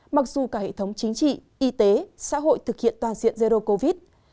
mặc dù cả hệ thống chính trị y tế xã hội thực hiện toàn diện erdo covid